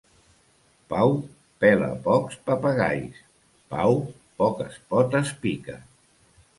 Pau pela pocs papagais; Pau poques potes pica.